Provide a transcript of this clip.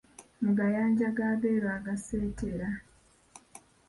Mu gayanja g’abeeru agaaseeteera.